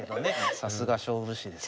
さすが勝負師ですね。